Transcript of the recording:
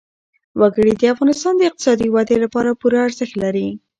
وګړي د افغانستان د اقتصادي ودې لپاره پوره ارزښت لري.